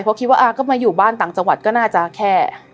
เพราะคิดว่าก็มาอยู่บ้านต่างจังหวัดก็น่าจะแค่